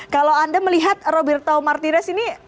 kalau anda melihat roberto martiras ini